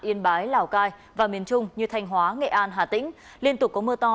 yên bái lào cai và miền trung như thanh hóa nghệ an hà tĩnh liên tục có mưa to